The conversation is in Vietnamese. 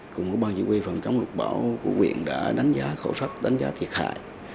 cùng với bàn chỉ huy phòng chống lục bão của huyện đã đánh giá khẩu sắc đánh giá thiệt hại